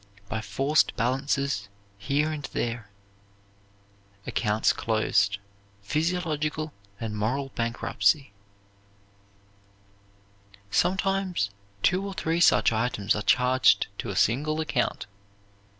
By forced balances, here and Accounts closed. Physiological there. and moral bankruptcy. Sometimes two or three such items are charged to a single account.